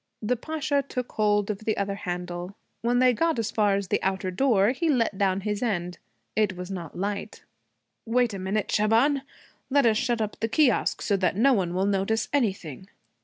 The Pasha took hold of the other handle. When they got as far as the outer door he let down his end. It was not light. 'Wait a minute, Shaban. Let us shut up the kiosque, so that no one will notice anything.'